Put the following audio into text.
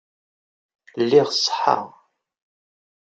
Lliɣ ṣeḥḥaɣ.